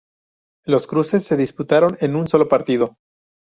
Los cruces se disputaron en un solo partido.